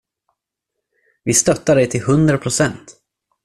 Vi stöttar dig till hundra procent!